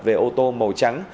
về ô tô màu trắng